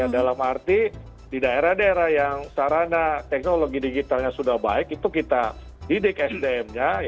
dalam arti di daerah daerah yang sarana teknologi digitalnya sudah baik itu kita didik sdm nya